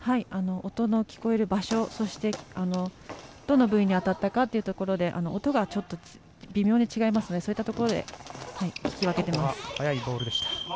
音の聞こえる場所、そしてどの部位に当たったかというところで音がちょっと微妙に違いますのでそういったところで聞き分けています。